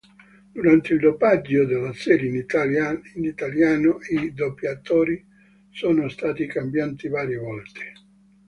Durante il doppiaggio della serie in italiano, i doppiatori sono stati cambiati varie volte.